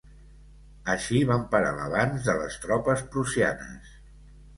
Així van parar l'avanç de les tropes prussianes.